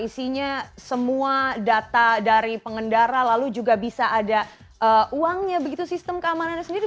isinya semua data dari pengendara lalu juga bisa ada uangnya begitu sistem keamanannya sendiri